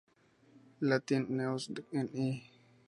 Latin News" en E!